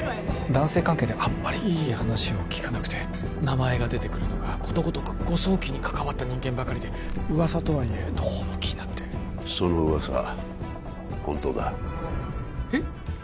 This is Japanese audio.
男性関係であんまりいい話を聞かなくて名前が出てくるのがことごとく誤送金に関わった人間ばかりで噂とはいえどうも気になってその噂本当だえっ？